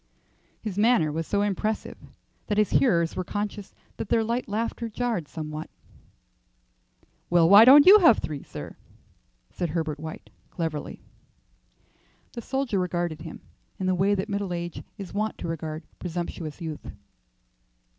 His manner was so impressive that his hearers were conscious that their light laughter jarred somewhat. "Well, why don't you have three, sir?" said Herbert White, cleverly. The soldier regarded him in the way that middle age is wont to regard presumptuous youth.